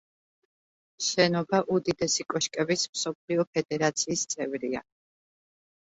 შენობა უდიდესი კოშკების მსოფლიო ფედერაციის წევრია.